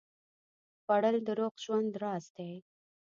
خوړل د روغ ژوند راز دی